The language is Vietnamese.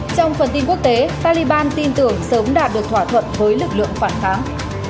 trong phần tin quốc tế taliban tin tưởng sớm đạt được thỏa thuận với lực lượng phản kháng